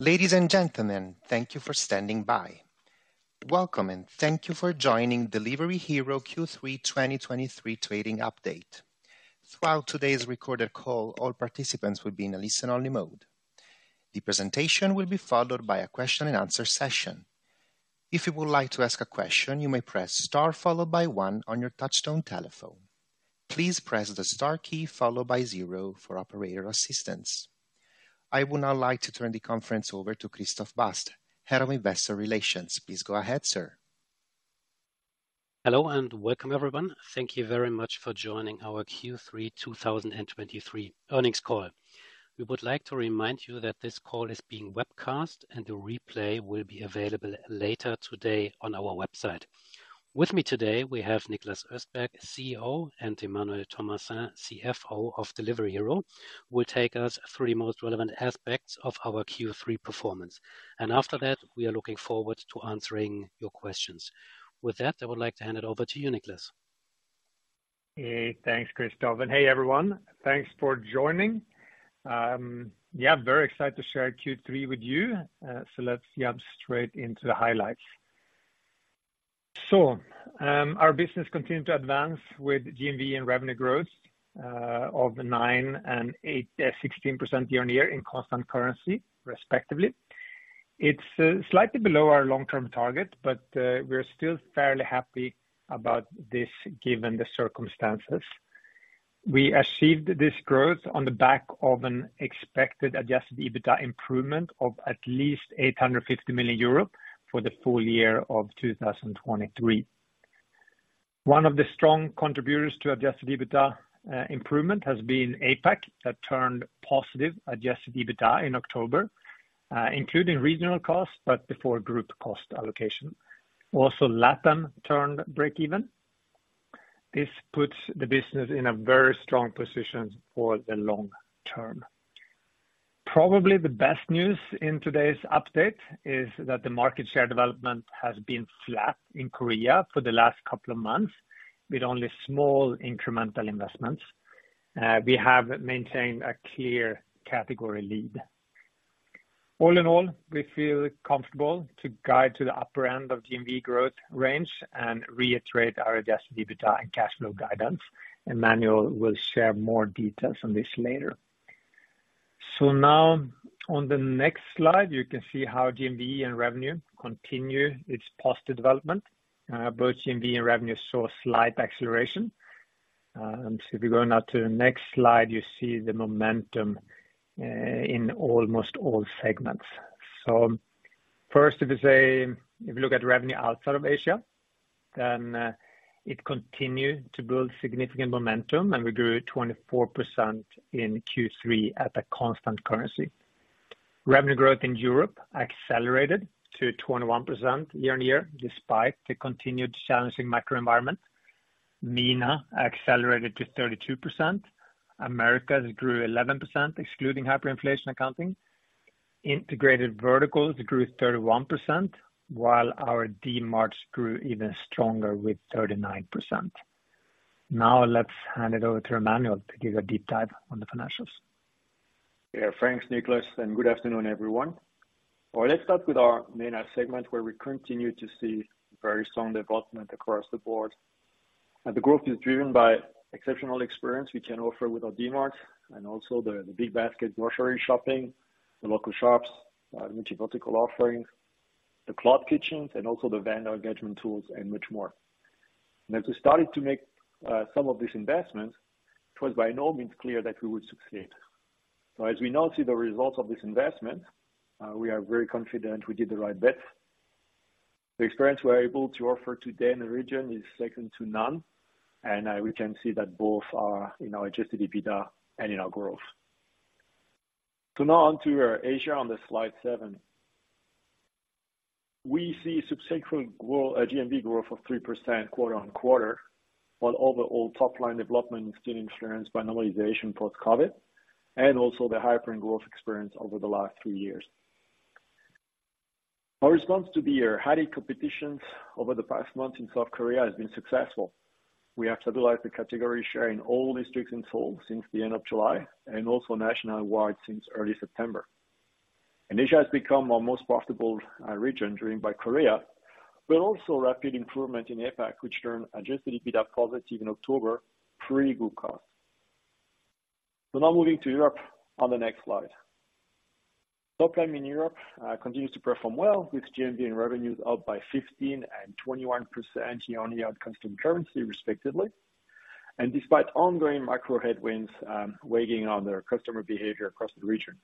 Ladies and gentlemen, thank you for standing by. Welcome, and thank you for joining Delivery Hero Q3 2023 Trading Update. Throughout today's recorded call, all participants will be in a listen-only mode. The presentation will be followed by a question and answer session. If you would like to ask a question, you may press star followed by one on your touchtone telephone. Please press the star key followed by zero for operator assistance. I would now like to turn the conference over to Christoph Bast, Head of Investor Relations. Please go ahead, sir. Hello, and welcome, everyone. Thank you very much for joining our Q3 2023 earnings call. We would like to remind you that this call is being webcast, and the replay will be available later today on our website. With me today, we have Niklas Östberg, CEO, and Emmanuel Thomassin, CFO of Delivery Hero, will take us through the most relevant aspects of our Q3 performance. After that, we are looking forward to answering your questions. With that, I would like to hand it over to you, Niklas. Hey, thanks, Christoph. Hey, everyone. Thanks for joining. Yeah, very excited to share Q3 with you. So let's jump straight into the highlights. So, our business continued to advance with GMV and revenue growth of 9% and 16% year-over-year in constant currency, respectively. It's slightly below our long-term target, but we're still fairly happy about this, given the circumstances. We achieved this growth on the back of an expected adjusted EBITDA improvement of at least 850 million euro for the full year of 2023. One of the strong contributors to adjusted EBITDA improvement has been APAC, that turned positive adjusted EBITDA in October, including regional costs, but before group cost allocation. Also, LATAM turned breakeven. This puts the business in a very strong position for the long term. Probably the best news in today's update is that the market share development has been flat in Korea for the last couple of months, with only small incremental investments. We have maintained a clear category lead. All in all, we feel comfortable to guide to the upper end of GMV growth range and reiterate our Adjusted EBITDA and cash flow guidance. Emmanuel will share more details on this later. So now, on the next slide, you can see how GMV and revenue continue its positive development. Both GMV and revenue saw a slight acceleration. So if you go now to the next slide, you see the momentum in almost all segments. So first, if you look at revenue outside of Asia, then it continued to build significant momentum, and we grew 24% in Q3 at a constant currency. Revenue growth in Europe accelerated to 21% year-on-year, despite the continued challenging macro environment. MENA accelerated to 32%. Americas grew 11%, excluding hyperinflation accounting. Integrated verticals grew 31%, while our DMarts grew even stronger with 39%. Now, let's hand it over to Emmanuel to give a deep dive on the financials. Yeah. Thanks, Niklas, and good afternoon, everyone. Well, let's start with our MENA segment, where we continue to see very strong development across the board. The growth is driven by exceptional experience we can offer with our DMart and also the Big Basket Grocery Shopping, the local shops, multi-vertical offerings, the cloud kitchens, and also the vendor engagement tools, and much more. As we started to make some of these investments, it was by no means clear that we would succeed. So as we now see the results of this investment, we are very confident we did the right bet. The experience we are able to offer today in the region is second to none, and we can see that both are in our Adjusted EBITDA and in our growth. So now on to Asia, on the slide seven. We see substantial growth of 3% quarter-on-quarter, while overall top line development is still influenced by normalization post-COVID and also the hyper growth experience over the last three years. Our response to the heavy competitions over the past months in South Korea has been successful. We have stabilized the category share in all districts in Seoul since the end of July and also nationwide since early September. Asia has become our most profitable region, driven by Korea, but also rapid improvement in APAC, which turned adjusted EBITDA positive in October. Pretty good cause. Now moving to Europe on the next slide. Top line in Europe continues to perform well, with GMV and revenues up by 15% and 21% year-on-year constant currency, respectively, and despite ongoing macro headwinds weighing on their customer behavior across the region.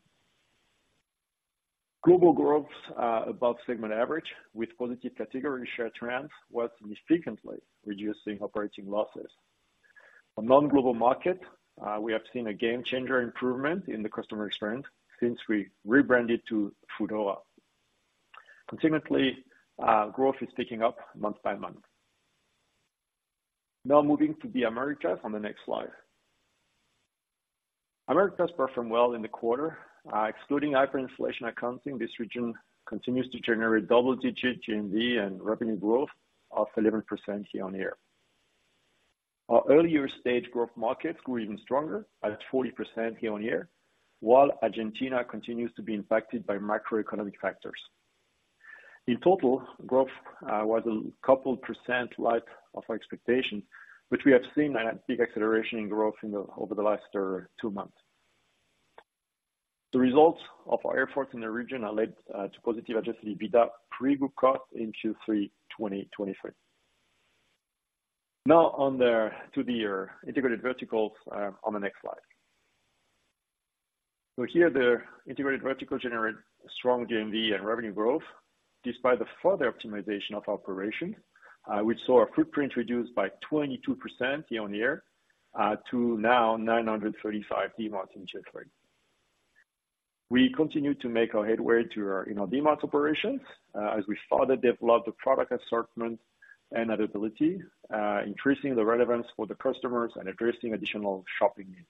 Global growth above segment average, with positive category share trends, was significantly reducing operating losses. On non-global market, we have seen a game-changer improvement in the customer experience since we rebranded to Foodora. Consequently, growth is picking up month by month. Now, moving to the Americas on the next slide. Americas performed well in the quarter. Excluding hyperinflation accounting, this region continues to generate double-digit GMV and revenue growth of 11% year-on-year. Our earlier stage growth markets grew even stronger at 40% year-on-year, while Argentina continues to be impacted by macroeconomic factors. In total, growth was a couple percent like of our expectation, which we have seen a big acceleration in growth over the last two months. The results of our efforts in the region have led to positive adjusted EBITDA pre-book cost in Q3 2023. Now on to the integrated verticals on the next slide. So here, the integrated vertical generated strong GMV and revenue growth, despite the further optimization of operation, we saw our footprint reduced by 22% year-on-year, to now 935 DMarts in Chile. We continue to make our headway to our, you know, DMart operations, as we further develop the product assortment and availability, increasing the relevance for the customers and addressing additional shopping needs.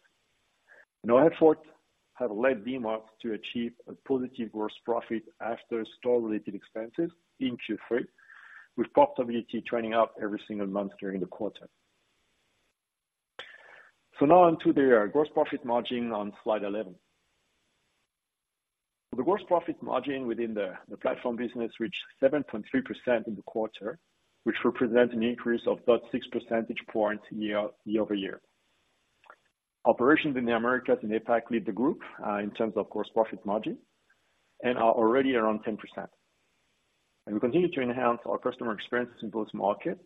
And our efforts have led DMart to achieve a positive gross profit after store-related expenses in Q3, with profitability trending up every single month during the quarter. So now on to the gross profit margin on slide 11. The gross profit margin within the platform business reached 7.3% in the quarter, which represents an increase of about six percentage points year-over-year. Operations in the Americas and APAC lead the group in terms of gross profit margin and are already around 10%. We continue to enhance our customer experiences in both markets,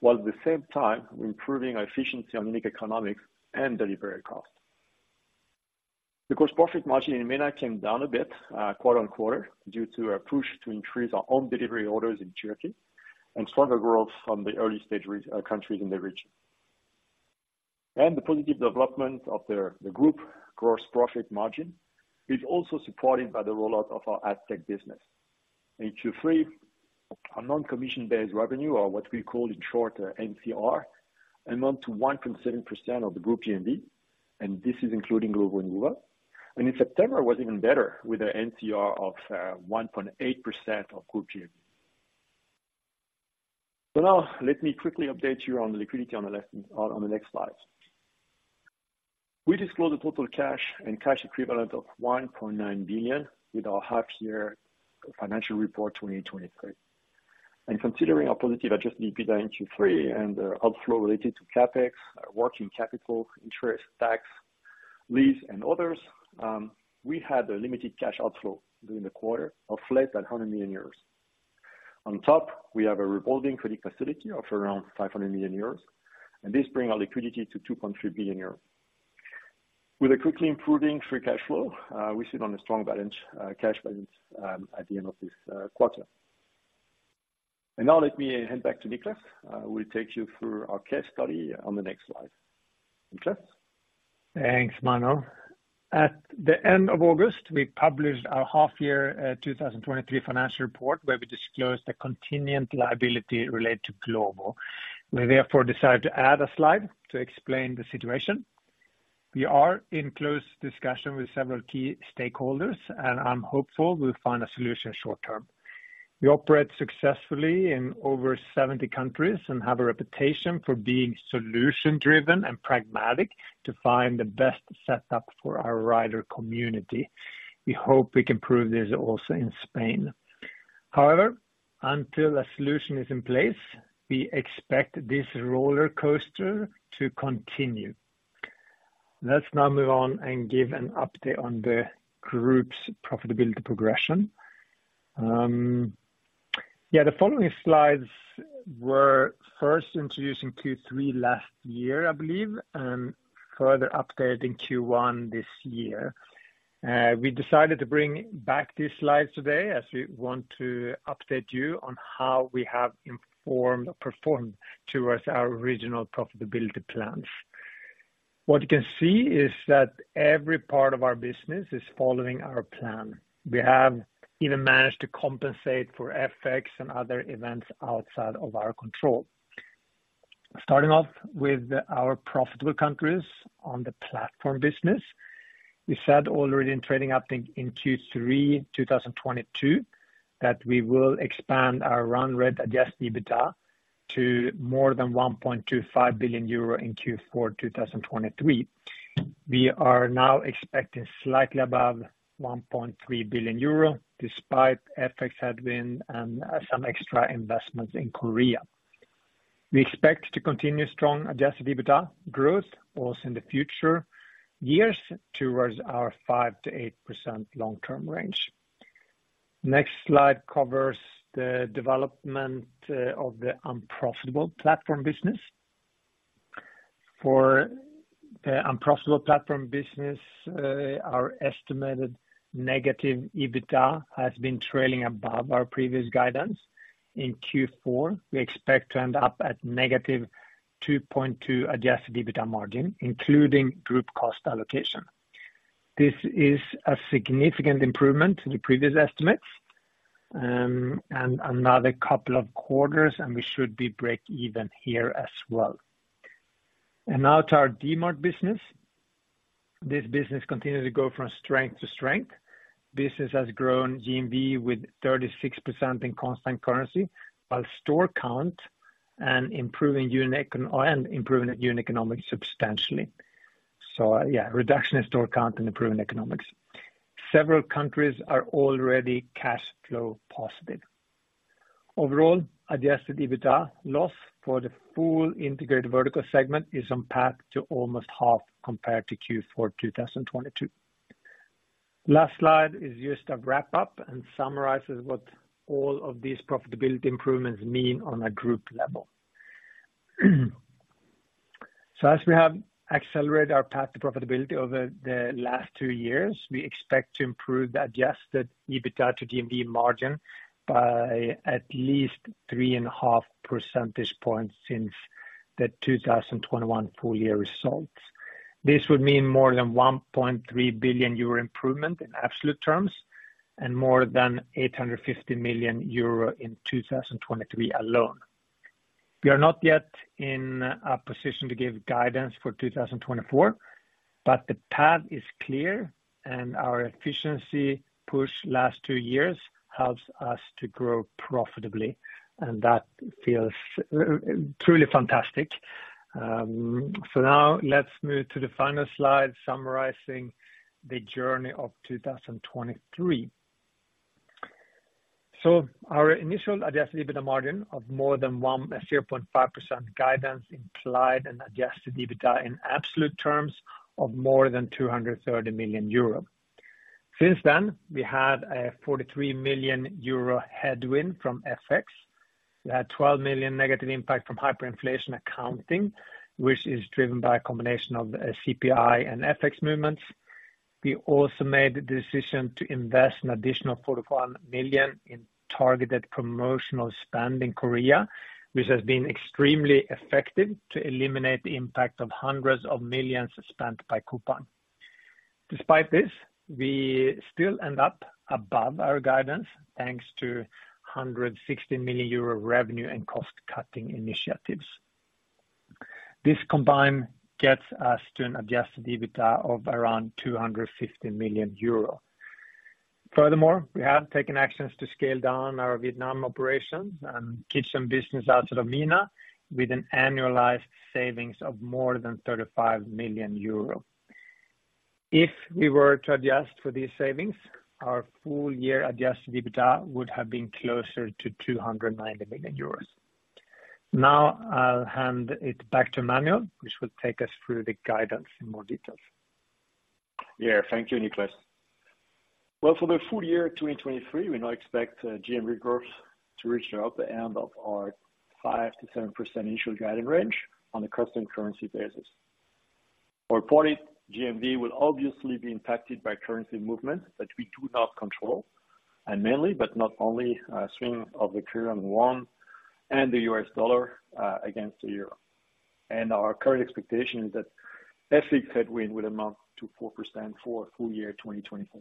while at the same time, improving our efficiency on unit economics and delivery costs. The gross profit margin in MENA came down a bit quarter-on-quarter, due to a push to increase our own delivery orders in Turkey and stronger growth from the early-stage countries in the region. The positive development of the group gross profit margin is also supported by the rollout of our AdTech business. In Q3, our non-commission-based revenue, or what we call in short, NCR, amount to 1.7% of the group GMV, and this is including Glovo and Woowa. In September, it was even better with an NCR of 1.8% of group GMV. Now, let me quickly update you on the liquidity on the left, on the next slide. We disclose the total cash and cash equivalent of 1.9 billion with our half-year financial report 2023. Considering our positive adjusted EBITDA in Q3 and outflow related to CapEx, working capital, interest, tax, lease, and others, we had a limited cash outflow during the quarter of less than 100 million euros. On top, we have a revolving credit facility of around 500 million euros, and this bring our liquidity to 2.3 billion euros. With a quickly improving Free Cash Flow, we sit on a strong balance, cash balance, at the end of this quarter. Now let me hand back to Niklas, who will take you through our case study on the next slide. Niklas? Thanks, Emmanuel. At the end of August, we published our half year, 2023 financial report, where we disclosed a contingent liability related to Glovo. We therefore decided to add a slide to explain the situation. We are in close discussion with several key stakeholders, and I'm hopeful we'll find a solution short term. We operate successfully in over 70 countries and have a reputation for being solution-driven and pragmatic to find the best setup for our rider community. We hope we can prove this also in Spain. However, until a solution is in place, we expect this rollercoaster to continue. Let's now move on and give an update on the group's profitability progression. Yeah, the following slides were first introduced in Q3 last year, I believe, and further updated in Q1 this year. We decided to bring back these slides today as we want to update you on how we have informed or performed towards our original profitability plans. What you can see is that every part of our business is following our plan. We have even managed to compensate for effects and other events outside of our control. Starting off with our profitable countries on the platform business, we said already in trading, I think in Q3 2022, that we will expand our run-rate adjusted EBITDA to more than 1.25 billion euro in Q4 2023. We are now expecting slightly above 1.3 billion euro, despite FX headwind and some extra investments in Korea. We expect to continue strong adjusted EBITDA growth also in the future years towards our 5%-8% long-term range. Next slide covers the development of the unprofitable platform business. For the unprofitable platform business, our estimated negative EBITDA has been trailing above our previous guidance. In Q4, we expect to end up at negative 2.2 adjusted EBITDA margin, including group cost allocation. This is a significant improvement in the previous estimates, and another couple of quarters, and we should be breakeven here as well. Now to our DMart business. This business continues to go from strength to strength. Business has grown GMV with 36% in constant currency, while store count and improving unit economics substantially. So yeah, reduction in store count and improving economics. Several countries are already cash flow positive. Overall, adjusted EBITDA loss for the full integrated vertical segment is on path to almost half compared to Q4 2022. Last slide is just a wrap up and summarizes what all of these profitability improvements mean on a group level. So as we have accelerated our path to profitability over the last two years, we expect to improve the Adjusted EBITDA to GMV margin by at least 3.5 percentage points since the 2021 full year results. This would mean more than 1.3 billion euro improvement in absolute terms, and more than 850 million euro in 2023 alone. We are not yet in a position to give guidance for 2024, but the path is clear, and our efficiency push last two years helps us to grow profitably, and that feels truly fantastic. So now let's move to the final slide, summarizing the journey of 2023. So our initial adjusted EBITDA margin of more than 1.5% guidance implied an adjusted EBITDA in absolute terms of more than 230 million euro. Since then, we had a 43 million euro headwind from FX. We had 12 million negative impact from hyperinflation accounting, which is driven by a combination of CPI and FX movements. We also made the decision to invest an additional 41 million in targeted promotional spend in Korea, which has been extremely effective to eliminate the impact of hundreds of millions spent by Coupang. Despite this, we still end up above our guidance, thanks to 160 million euro revenue and cost-cutting initiatives. This combined gets us to an adjusted EBITDA of around 250 million euro. Furthermore, we have taken actions to scale down our Vietnam operations and keep some business out of MENA, with an annualized savings of more than 35 million euro. If we were to adjust for these savings, our full year adjusted EBITDA would have been closer to 290 million euros. Now, I'll hand it back to Emmanuel, which will take us through the guidance in more details. Yeah. Thank you, Niklas. Well, for the full year 2023, we now expect GMV growth to reach the upper end of our 5%-7% initial guidance range on a constant currency basis. Our reported GMV will obviously be impacted by currency movements, which we do not control, and mainly, but not only, strength of the Korean won and the US dollar against the euro. And our current expectation is that FX headwind would amount to 4% for full year 2024.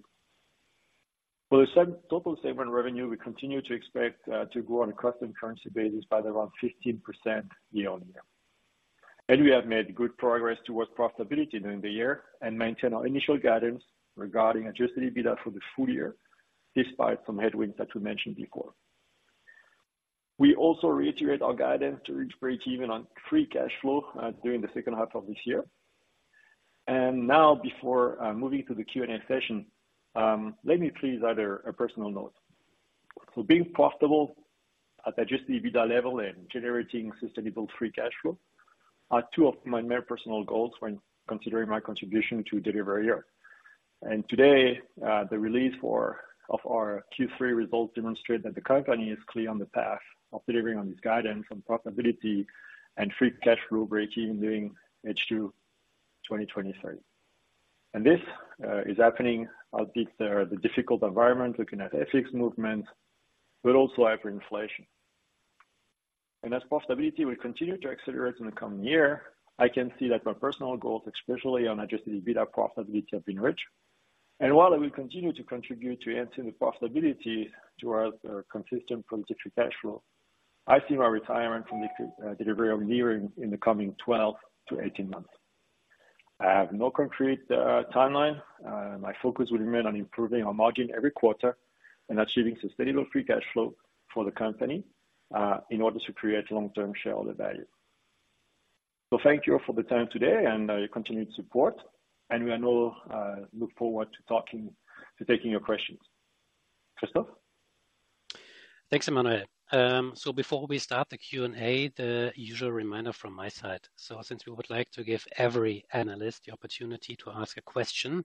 For the same total statement revenue, we continue to expect to grow on a constant currency basis by around 15% year-over-year. And we have made good progress towards profitability during the year and maintain our initial guidance regarding adjusted EBITDA for the full year, despite some headwinds that we mentioned before. We also reiterate our guidance to reach breakeven on free cash flow during the second half of this year. Now, before moving to the Q&A session, let me please add a personal note. Being profitable at adjusted EBITDA level and generating sustainable free cash flow are two of my main personal goals when considering my contribution to Delivery Hero. Today, the release of our Q3 results demonstrate that the company is clear on the path of delivering on this guidance on profitability and free cash flow breakeven during H2 2023. This is happening amidst the difficult environment, looking at FX movement, but also hyperinflation. As profitability will continue to accelerate in the coming year, I can see that my personal goals, especially on adjusted EBITDA profitability, have been reached. And while I will continue to contribute to enhancing the profitability towards consistent positive free cash flow, I see my retirement from the Delivery Hero nearing in the coming 12-18 months. I have no concrete timeline. My focus will remain on improving our margin every quarter and achieving sustainable free cash flow for the company in order to create long-term shareholder value. So thank you all for the time today and your continued support, and we are now looking forward to taking your questions. Christoph? Thanks, Emmanuel. So before we start the Q&A, the usual reminder from my side. Since we would like to give every analyst the opportunity to ask a question,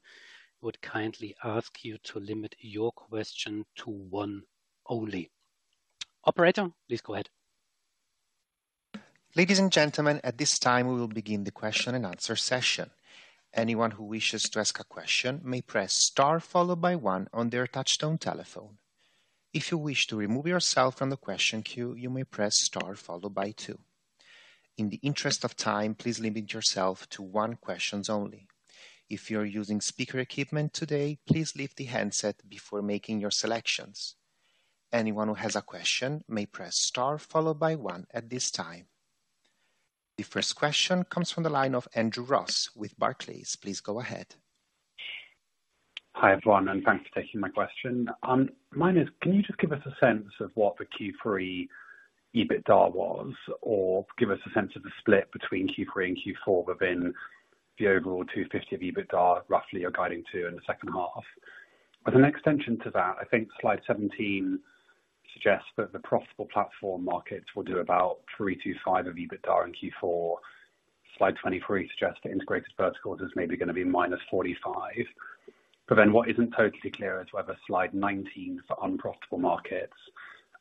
I would kindly ask you to limit your question to one only. Operator, please go ahead. Ladies and gentlemen, at this time, we will begin the question and answer session. Anyone who wishes to ask a question may press star followed by one on their touchtone telephone. If you wish to remove yourself from the question queue, you may press Star followed by two. In the interest of time, please limit yourself to one question only. If you are using speaker equipment today, please leave the handset before making your selections. Anyone who has a question may press star followed by one at this time.... The first question comes from the line of Andrew Ross with Barclays. Please go ahead. Hi, everyone, and thanks for taking my question. Mine is, can you just give us a sense of what the Q3 EBITDA was, or give us a sense of the split between Q3 and Q4 within the overall 250 million of EBITDA, roughly, you're guiding to in the second half? As an extension to that, I think slide 17 suggests that the profitable platform markets will do about 325 million of EBITDA in Q4. Slide 23 suggests the integrated verticals is maybe gonna be -45 million. Then what isn't totally clear is whether slide 19 for unprofitable markets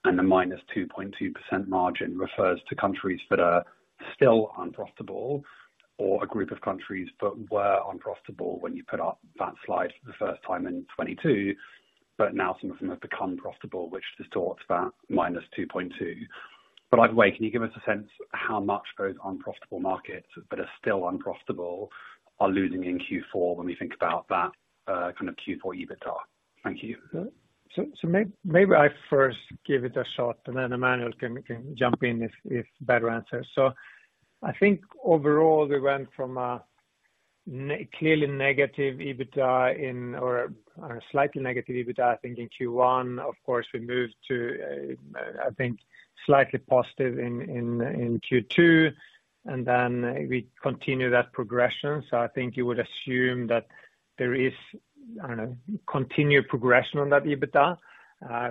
and the -2.2% margin refers to countries that are still unprofitable, or a group of countries that were unprofitable when you put up that slide for the first time in 2022, but now some of them have become profitable, which distorts that -2.2%. But either way, can you give us a sense how much those unprofitable markets that are still unprofitable are losing in Q4 when we think about that kind of Q4 EBITDA? Thank you. So, maybe I first give it a shot, and then Emmanuel can jump in if better answer. So I think overall, we went from a clearly negative EBITDA in or a slightly negative EBITDA, I think in Q1. Of course, we moved to, I think, slightly positive in Q2, and then we continue that progression. So I think you would assume that there is, I don't know, continued progression on that EBITDA.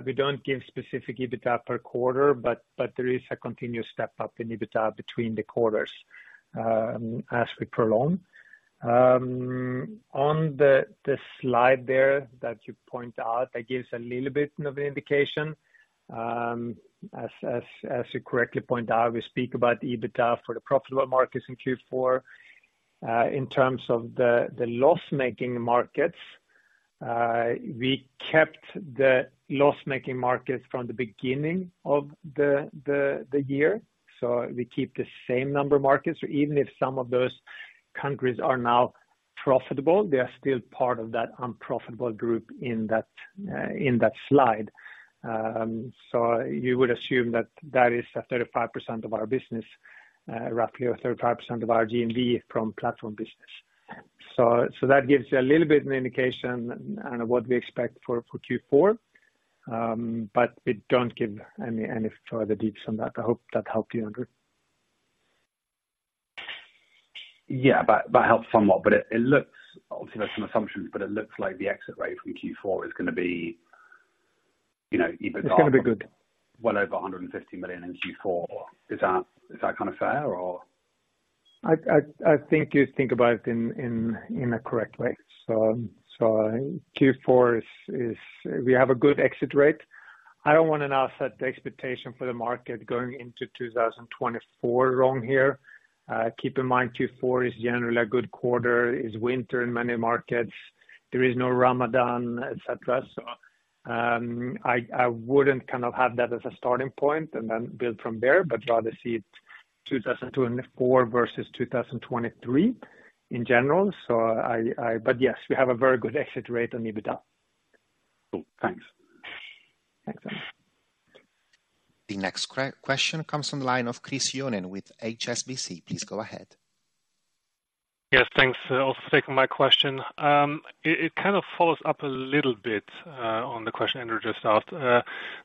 We don't give specific EBITDA per quarter, but there is a continuous step-up in EBITDA between the quarters, as we prolong. On the slide there that you point out, that gives a little bit of an indication. As you correctly point out, we speak about EBITDA for the profitable markets in Q4. In terms of the loss-making markets, we kept the loss-making markets from the beginning of the year, so we keep the same number of markets. So even if some of those countries are now profitable, they are still part of that unprofitable group in that slide. So you would assume that that is 35% of our business, roughly, or 35% of our GMV from platform business. So that gives you a little bit of an indication on what we expect for Q4, but we don't give any further details on that. I hope that helped you, Andrew. Yeah, but that helps somewhat, but it, it looks... Obviously, there are some assumptions, but it looks like the exit rate from Q4 is gonna be, you know, EBITDA- It's gonna be good. Well, over 150 million in Q4. Is that, is that kind of fair or? I think you think about it in a correct way. So Q4 is we have a good exit rate. I don't want to now set the expectation for the market going into 2024 wrong here. Keep in mind, Q4 is generally a good quarter, it's winter in many markets, there is no Ramadan, et cetera. So I wouldn't kind of have that as a starting point and then build from there, but rather see it 2024 versus 2023 in general. So I... But yes, we have a very good exit rate on EBITDA. Cool, thanks. Thanks. The next question comes from the line of Chris Sheridan with HSBC. Please go ahead. Yes, thanks, also for taking my question. It kind of follows up a little bit on the question Andrew just asked.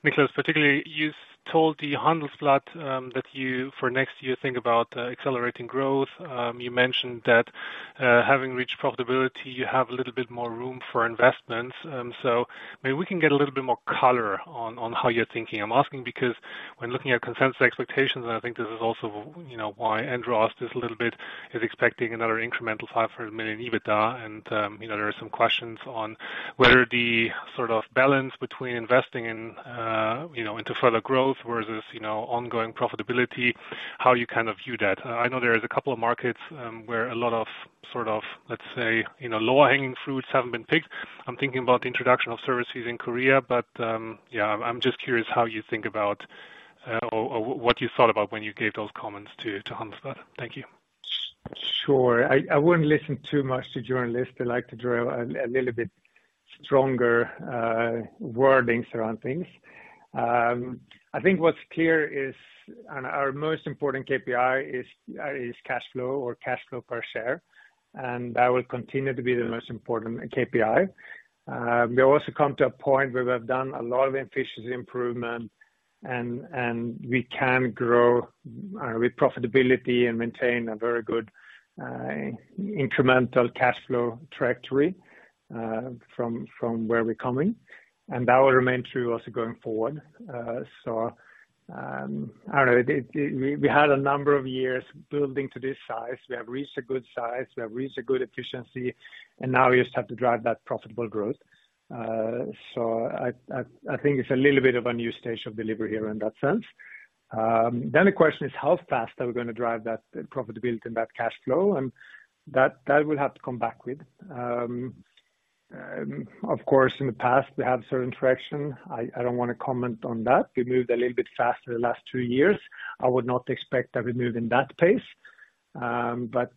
Niklas, particularly, you told the Handelsblatt that you, for next year, think about accelerating growth. You mentioned that, having reached profitability, you have a little bit more room for investments. So maybe we can get a little bit more color on how you're thinking. I'm asking because when looking at consensus expectations, and I think this is also, you know, why Andrew asked this a little bit, is expecting another incremental 500 million EBITDA. And, you know, there are some questions on whether the sort of balance between investing in, you know, into further growth versus, you know, ongoing profitability, how you kind of view that. I know there is a couple of markets where a lot of sort of, let's say, you know, low-hanging fruits haven't been picked. I'm thinking about the introduction of services in Korea, but yeah, I'm just curious how you think about or what you thought about when you gave those comments to Handelsblatt. Thank you. Sure. I wouldn't listen too much to journalists. They like to draw a little bit stronger wordings around things. I think what's clear is, and our most important KPI is cash flow or cash flow per share, and that will continue to be the most important KPI. We also come to a point where we've done a lot of efficiency improvement and we can grow with profitability and maintain a very good incremental cash flow trajectory from where we're coming, and that will remain true also going forward. So, I don't know, we had a number of years building to this size. We have reached a good size, we have reached a good efficiency, and now we just have to drive that profitable growth. So I think it's a little bit of a new stage of delivery here in that sense. Then the question is, how fast are we gonna drive that profitability and that cash flow? And that we'll have to come back with. Of course, in the past, we have certain traction. I don't wanna comment on that. We moved a little bit faster the last two years. I would not expect that we move in that pace. But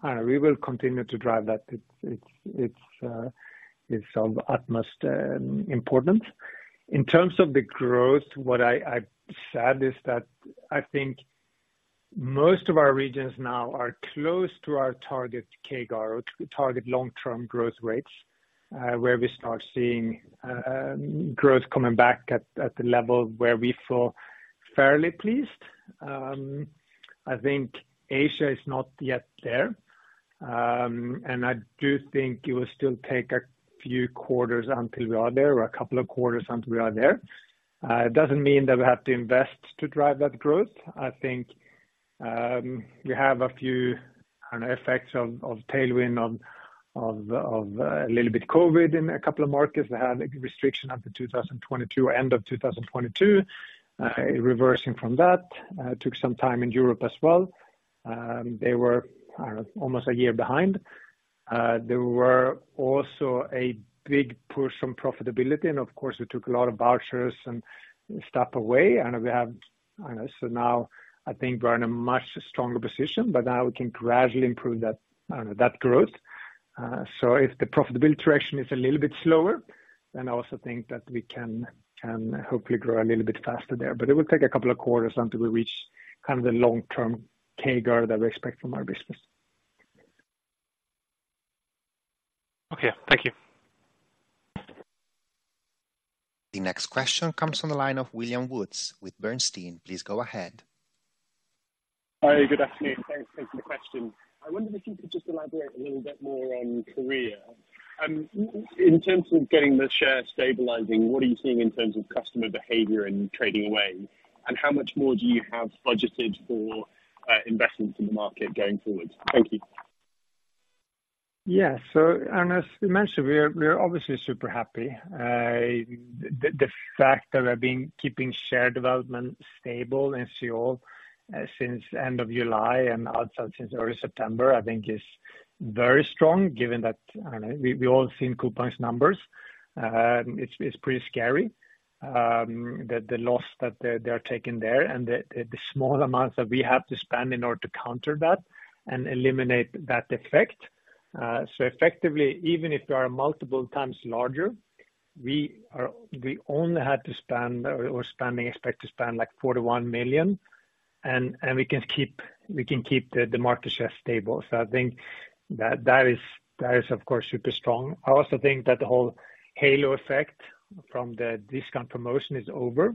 we will continue to drive that. It's of utmost importance. In terms of the growth, what I said is that I think most of our regions now are close to our target CAGR, target long-term growth rates, where we start seeing growth coming back at the level where we feel fairly pleased. I think Asia is not yet there. And I do think it will still take a few quarters until we are there, or a couple of quarters until we are there. It doesn't mean that we have to invest to drive that growth. I think we have a few, I don't know, effects of tailwind, a little bit COVID in a couple of markets that had a restriction until 2022, end of 2022. Reversing from that took some time in Europe as well. They were, I don't know, almost a year behind. There were also a big push on profitability, and of course, we took a lot of vouchers and stuff away, and we have... I don't know. So now I think we're in a much stronger position, but now we can gradually improve that, that growth. So if the profitability direction is a little bit slower, then I also think that we can hopefully grow a little bit faster there. But it will take a couple of quarters until we reach kind of the long-term CAGR that we expect from our business. Okay, thank you. The next question comes from the line of William Woods with Bernstein. Please go ahead. Hi, good afternoon. Thanks for the question. I wonder if you could just elaborate a little bit more on Korea. In terms of getting the share stabilizing, what are you seeing in terms of customer behavior and trading away, and how much more do you have budgeted for investments in the market going forward? Thank you. Yeah. So, as we mentioned, we're obviously super happy. The fact that we've been keeping share development stable in Seoul since end of July and outside since early September, I think is very strong, given that, I don't know, we've all seen Coupang's numbers. It's pretty scary, the loss that they're taking there, and the small amount that we have to spend in order to counter that and eliminate that effect. So effectively, even if we are multiple times larger, we only had to spend or spending, expect to spend, like 41 million, and we can keep the market share stable. So I think that is, of course, super strong. I also think that the whole halo effect from the discount promotion is over.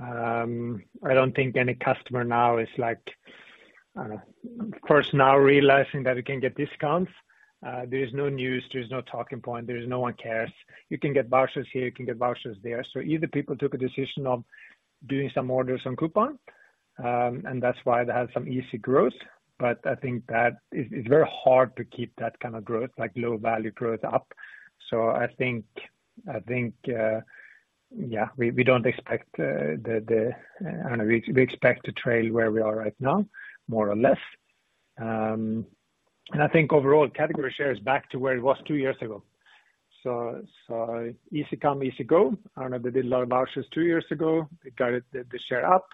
I don't think any customer now is like, I don't know, of course, now realizing that we can get discounts. There is no news, there is no talking point, there is no one cares. You can get vouchers here, you can get vouchers there. So either people took a decision of doing some orders on Coupang, and that's why they had some easy growth. But I think that it's very hard to keep that kind of growth, like low value growth up. So I think, I think, yeah, we don't expect, the... I don't know, we expect to trail where we are right now, more or less. And I think overall, category share is back to where it was two years ago. So, so easy come, easy go. I don't know, they did a lot of vouchers two years ago. It got the share up,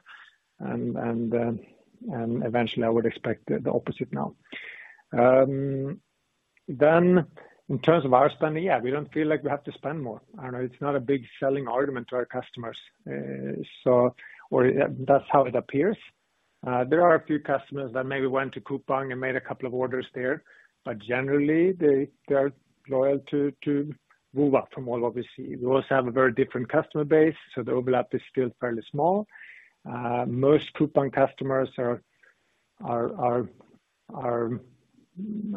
and eventually I would expect the opposite now. Then in terms of our spending, yeah, we don't feel like we have to spend more. I don't know, it's not a big selling argument to our customers, so or that's how it appears. There are a few customers that maybe went to Coupang and made a couple of orders there, but generally, they are loyal to Baemin, obviously. We also have a very different customer base, so the overlap is still fairly small. Most Coupang customers are, I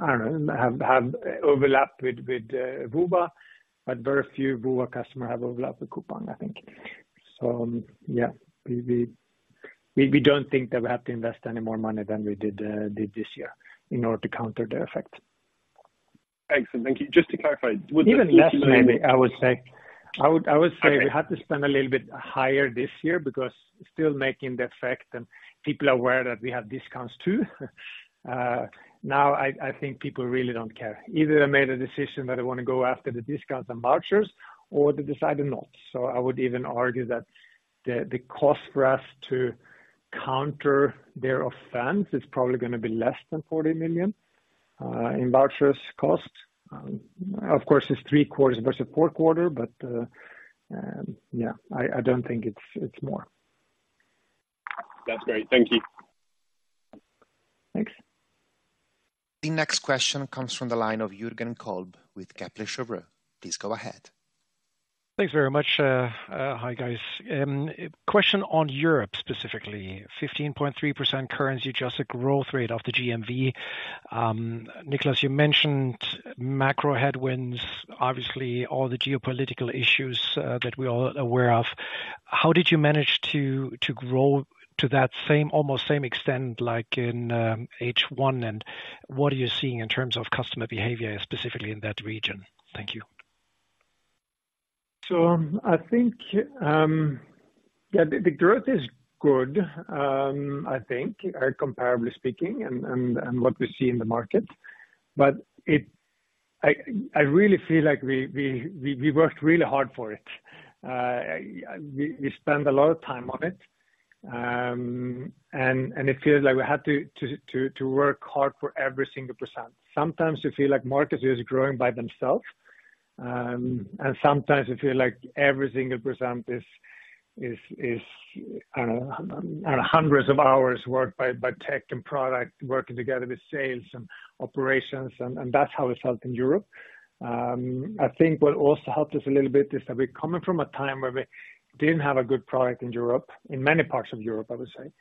don't know, have overlap with Baemin, but very few Baemin customers have overlap with Coupang, I think. So yeah, we don't think that we have to invest any more money than we did this year in order to counter the effect. Excellent. Thank you. Just to clarify, would- Even less, maybe, I would say. I would say- Okay... we had to spend a little bit higher this year because still making the effect and people are aware that we have discounts too. Now, I think people really don't care. Either they made a decision that they want to go after the discounts and vouchers or they decided not. So I would even argue that the cost for us to counter their offense is probably gonna be less than 40 million in vouchers costs. Of course, it's three quarters versus four quarters, but yeah, I don't think it's more. That's great. Thank you. Thanks. The next question comes from the line of Jürgen Kolb with Kepler Cheuvreux. Please go ahead. Thanks very much. Hi, guys. Question on Europe, specifically 15.3% currency adjusted growth rate of the GMV. Niklas, you mentioned macro headwinds, obviously all the geopolitical issues that we're all aware of. How did you manage to grow to that same, almost same extent, like in H1, and what are you seeing in terms of customer behavior, specifically in that region? Thank you. So I think, the growth is good, I think, comparably speaking and what we see in the market, but I really feel like we worked really hard for it. We spent a lot of time on it, and it feels like we had to work hard for every single %. Sometimes you feel like market is growing by themselves, and sometimes you feel like every single % is hundreds of hours worked by tech and product, working together with sales and operations, and that's how it felt in Europe. I think what also helped us a little bit is that we're coming from a time where we didn't have a good product in Europe, in many parts of Europe, I would say.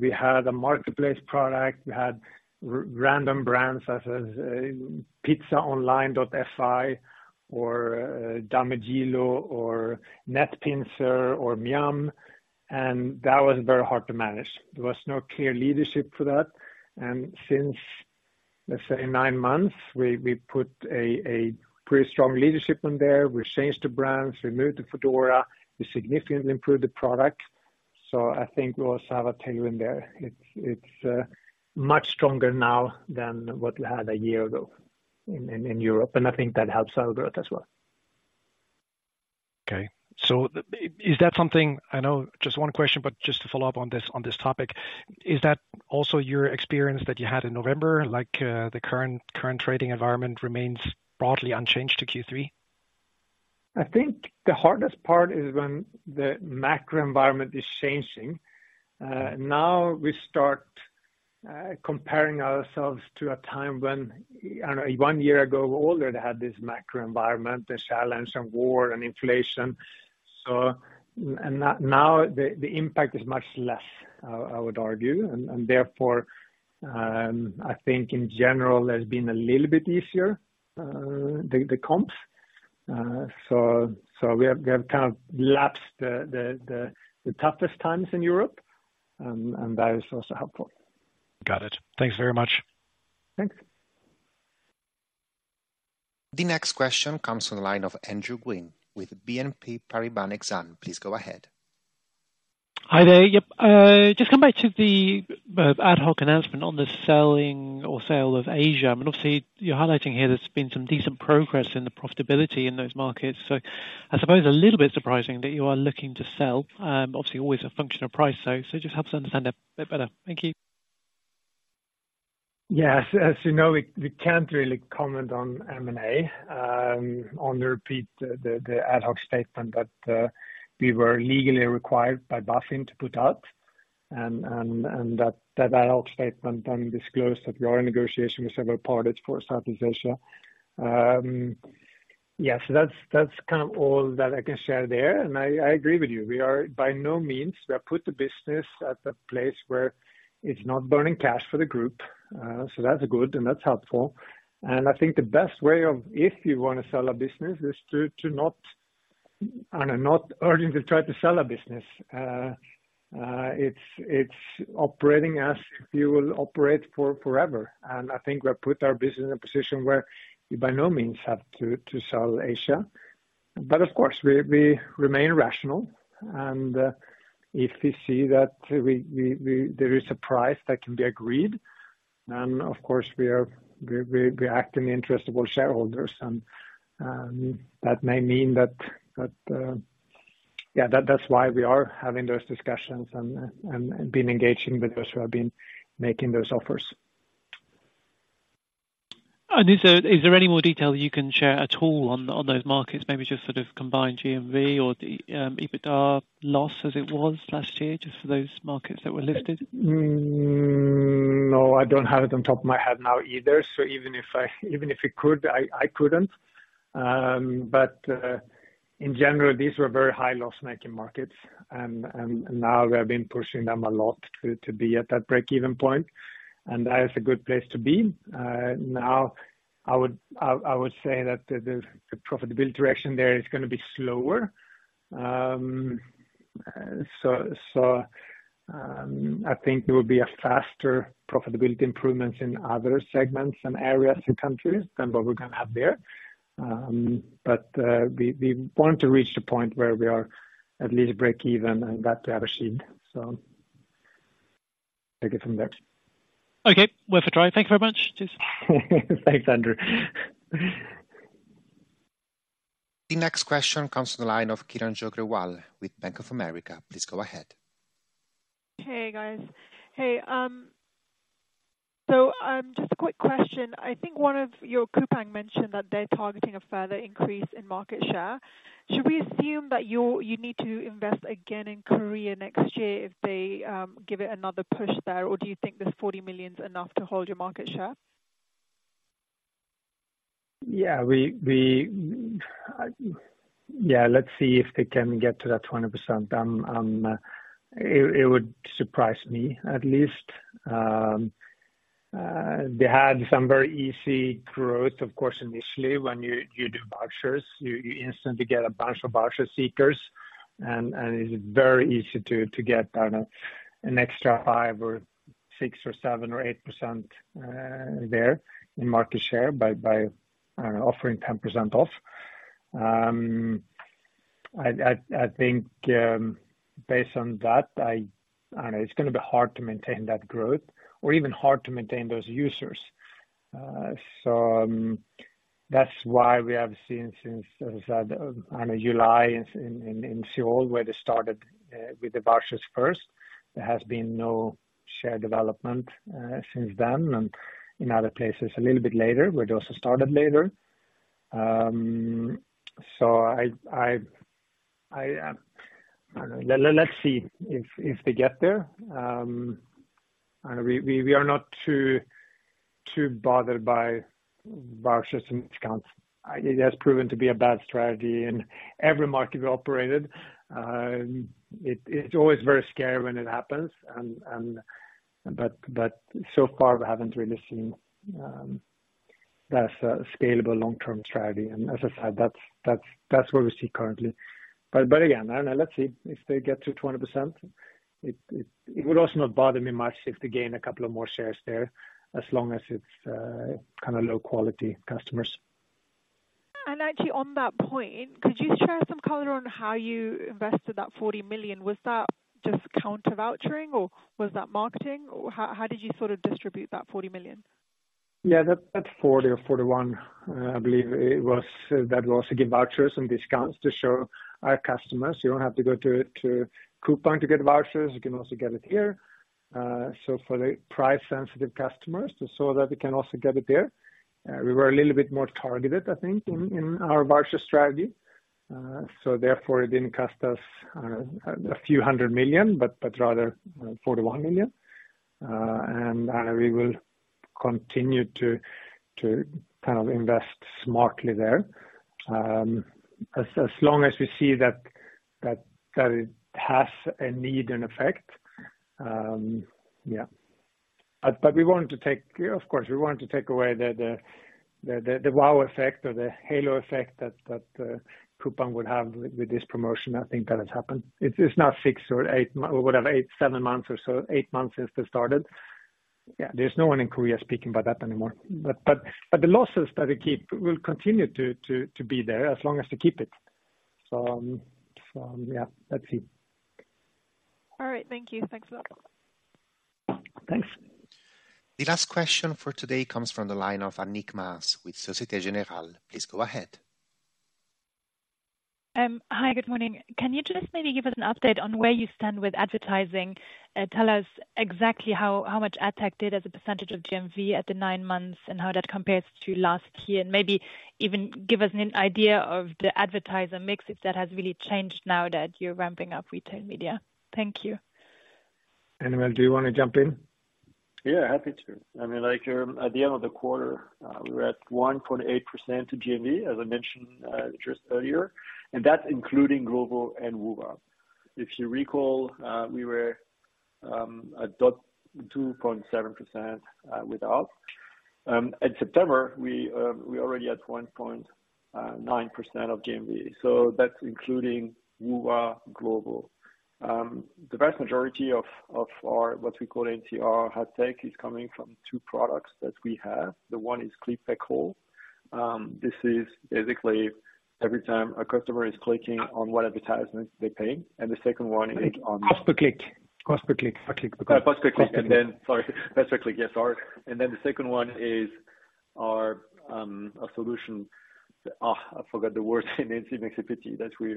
We had a marketplace product, we had random brands, such as pizza-online.fi or Damejidlo or NetPincér or Mjam, and that was very hard to manage. There was no clear leadership for that. Since, let's say, nine months, we put a pretty strong leadership in there, we changed the brands, we moved to Foodora, we significantly improved the product. So I think we also have a tailwind there. It's much stronger now than what we had a year ago in Europe, and I think that helps our growth as well. Okay. So is that something... I know, just one question, but just to follow up on this, on this topic, is that also your experience that you had in November? Like, the current trading environment remains broadly unchanged to Q3? I think the hardest part is when the macro environment is changing. Now we start comparing ourselves to a time when, I don't know, one year ago, we already had this macro environment, the challenge and war and inflation. So, and now the impact is much less, I would argue, and therefore, I think in general has been a little bit easier, the comps. So, we have kind of lapped the toughest times in Europe, and that is also helpful. Got it. Thanks very much. Thanks. The next question comes from the line of Andrew Gwynn, with BNP Paribas Exane. Please go ahead. Hi there. Yep, just come back to the ad hoc announcement on the selling or sale of Asia. I mean, obviously, you're highlighting here there's been some decent progress in the profitability in those markets. So I suppose a little bit surprising that you are looking to sell, obviously always a function of price, so just help us understand a bit better. Thank you. Yeah, as you know, we can't really comment on M&A. Only repeat the ad hoc statement that we were legally required by BaFin to put out, and that ad hoc statement then disclosed that we are in negotiation with several parties for South Asia. Yeah, so that's kind of all that I can share there. And I agree with you, we are by no means, we have put the business at a place where it's not burning cash for the group, so that's good, and that's helpful. And I think the best way of if you want to sell a business, is to not... And I'm not urging to try to sell a business. It's operating as you will operate for forever, and I think we have put our business in a position where you by no means have to sell Asia. But of course, we remain rational, and if we see that there is a price that can be agreed, and of course we act in the interest of all shareholders, and that may mean that... that's why we are having those discussions and been engaging with those who have been making those offers. Is there, is there any more detail you can share at all on, on those markets? Maybe just sort of combined GMV or the EBITDA loss as it was last year, just for those markets that were listed? No, I don't have it on top of my head now either. So even if I could, I couldn't. But in general, these were very high loss-making markets, and now we have been pushing them a lot to be at that break-even point, and that is a good place to be. Now, I would say that the profitability direction there is gonna be slower. So, I think there will be a faster profitability improvements in other segments and areas and countries than what we're gonna have there. But we want to reach the point where we are at least break-even and that we have achieved. So take it from there. Okay, worth a try. Thank you very much. Cheers. Thanks, Andrew. The next question comes from the line of Kiran Sheridan, with Bank of America. Please go ahead. Hey, guys. Hey, so, just a quick question. I think one of your Coupang mentioned that they're targeting a further increase in market share. Should we assume that you need to invest again in Korea next year if they give it another push there? Or do you think this 40 million is enough to hold your market share? Yeah. Let's see if they can get to that 20%. It would surprise me at least. They had some very easy growth. Of course, initially, when you do vouchers, you instantly get a bunch of voucher seekers, and it's very easy to get, I don't know, an extra 5 or 6 or 7 or 8% there in market share, by offering 10% off. I think, based on that, I know it's gonna be hard to maintain that growth or even hard to maintain those users. So, that's why we have seen since, as I said, July in Seoul, where they started with the vouchers first. There has been no share development since then, and in other places a little bit later, where those are started later. So let's see if they get there. We are not too bothered by vouchers and discounts. It has proven to be a bad strategy in every market we operated. It's always very scary when it happens, but so far we haven't really seen that's a scalable long-term strategy. As I said, that's what we see currently. But again, I don't know, let's see if they get to 20%. It would also not bother me much if they gain a couple of more shares there, as long as it's kind of low-quality customers. Actually, on that point, could you share some color on how you invested that 40 million? Was that just counter vouchering, or was that marketing, or how, how did you sort of distribute that 40 million? Yeah, that 40 or 41, I believe it was, that was to give vouchers and discounts to show our customers. You don't have to go to Coupang to get vouchers; you can also get it here. So for the price-sensitive customers, so that they can also get it there. We were a little bit more targeted, I think, in our voucher strategy. So therefore, it didn't cost us a few hundred million EUR, but rather 41 million. And we will continue to kind of invest smartly there. As long as we see that it has a need and effect. Yeah. But we wanted to take... Of course, we wanted to take away the wow effect or the halo effect that Coupang would have with this promotion. I think that has happened. It's now six or eight months, or whatever, eight, seven months or so, eight months since they started. Yeah, there's no one in Korea speaking about that anymore. But the losses that we keep will continue to be there as long as we keep it. So, so yeah, let's see. All right, thank you. Thanks a lot. Thanks. The last question for today comes from the line of Annick Maas, with Société Générale. Please go ahead. Hi, good morning. Can you just maybe give us an update on where you stand with advertising? Tell us exactly how much ad tech did as a percentage of GMV at the nine months, and how that compares to last year, and maybe even give us an idea of the advertiser mix, if that has really changed now that you're ramping up retail media. Thank you. Emmanuel, do you want to jump in? Yeah, happy to. I mean, like, at the end of the quarter, we were at 1.8% to GMV, as I mentioned, just earlier, and that's including Glovo and Woowa. If you recall, we were at 0.27% without. In September, we already had 1.9% of GMV, so that's including Woowa, Glovo. The vast majority of our, what we call MTR ad tech, is coming from two products that we have. The one is click-back call. This is basically every time a customer is clicking on what advertisement, they pay, and the second one is on- Cost per click. Cost per click, per click. Cost per click, and then sorry. Cost per click, yes, sorry. And then the second one is our a solution, I forgot the word, it makes it pretty, that we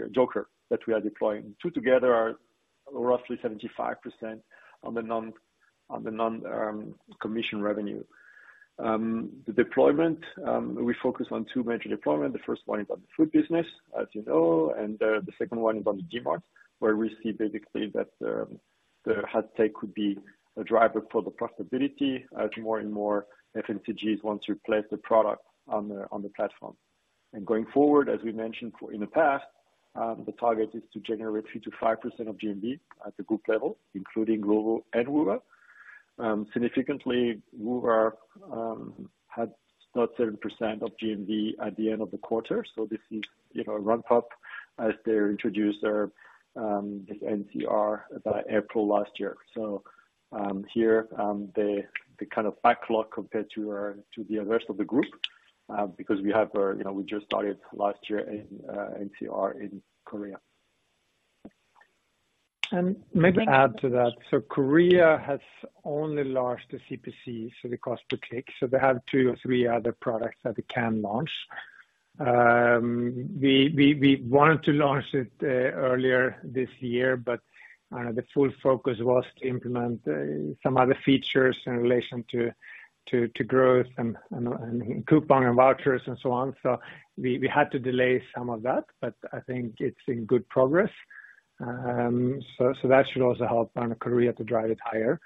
are deploying. Two together are roughly 75% of the non-commission revenue. The deployment, we focus on two major deployment. The first one is on the food business, as you know, and the second one is on the DMart, where we see basically that the ad tech could be a driver for the profitability as more and more FMCGs want to place the product on the platform. And going forward, as we mentioned in the past, the target is to generate 3%-5% of GMV at the group level, including Glovo and Woowa. Significantly, Woowa had 7% of GMV at the end of the quarter, so this is, you know, a ramp-up as they introduced their MTR by April last year. So, here, the kind of backlog compared to to the rest of the group, because we have, you know, we just started last year in MTR in Korea. And maybe add to that, so Korea has only launched the CPC, so the cost per click, so they have two or three other products that we can launch. We wanted to launch it earlier this year, but the full focus was to implement some other features in relation to growth and coupon and vouchers and so on. So we had to delay some of that, but I think it's in good progress. So that should also help on Korea to drive it higher.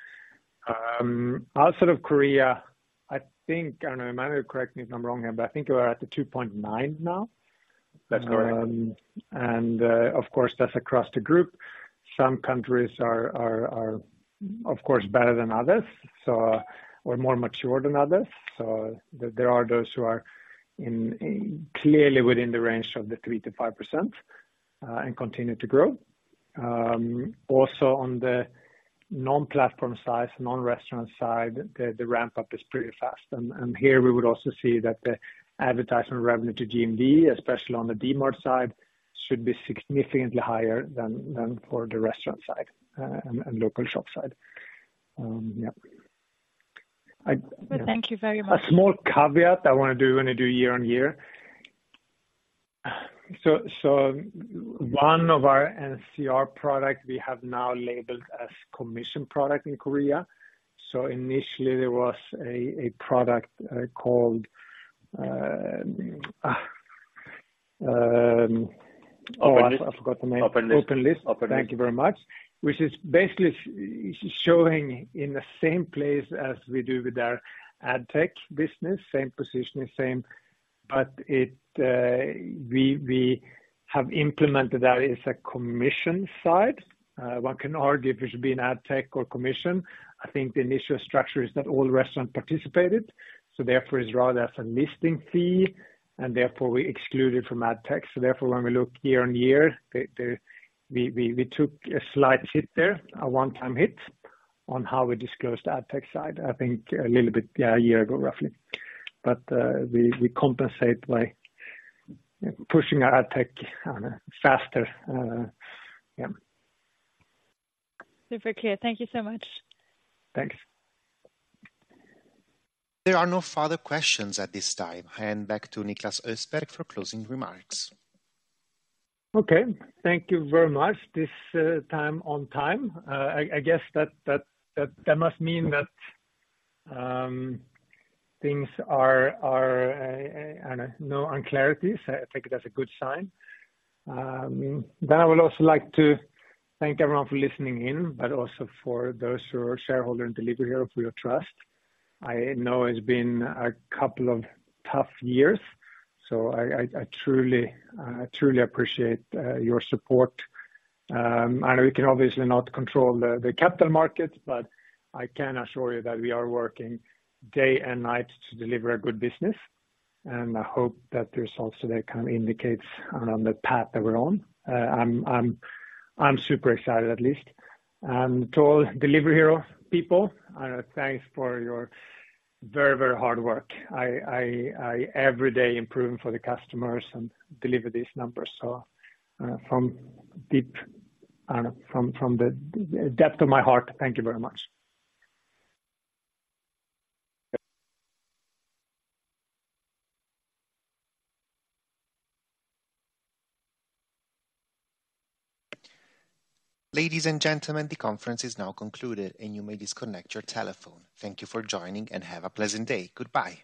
Outside of Korea, I think, I don't know, Emmanuel, correct me if I'm wrong here, but I think we're at the 2.9 now? That's correct. And, of course, that's across the group. Some countries are, of course, better than others, or more mature than others. So there are those who are clearly within the range of the 3%-5%, and continue to grow. Also on the non-platform side, non-restaurant side, the ramp up is pretty fast. And here we would also see that the advertisement revenue to GMV, especially on the DMart side, should be significantly higher than for the restaurant side, and local shop side. Yeah. I- Thank you very much. A small caveat I want to do when I do year-over-year. So one of our NCR product we have now labeled as commission product in Korea. So initially there was a product called, I forgot the name. Open List. Open List. Thank you very much. Which is basically showing in the same place as we do with our ad tech business. Same positioning, same... But it, we have implemented that as a commission side. One can argue if it should be an ad tech or commission. I think the initial structure is that all restaurants participated, so therefore it's rather as a listing fee, and therefore we exclude it from ad tech. So therefore, when we look year-on-year, we took a slight hit there, a one-time hit, on how we disclosed the ad tech side. I think a little bit, yeah, a year ago, roughly. But, we compensate by pushing our ad tech on a faster, yeah. Super clear. Thank you so much. Thanks. There are no further questions at this time. Hand back to Niklas Östberg for closing remarks. Okay. Thank you very much. This time on time, I guess that must mean that things are no unclarities. I take it as a good sign. Then I would also like to thank everyone for listening in, but also for those who are shareholder in Delivery Hero for your trust. I know it's been a couple of tough years, so I truly appreciate your support. And we can obviously not control the capital markets, but I can assure you that we are working day and night to deliver a good business, and I hope that the results today kind of indicates on the path that we're on. I'm super excited, at least. And to all Delivery Hero people, thanks for your very, very hard work. I every day improving for the customers and deliver these numbers. So, from the depth of my heart, thank you very much. Ladies and gentlemen, the conference is now concluded, and you may disconnect your telephone. Thank you for joining, and have a pleasant day. Goodbye.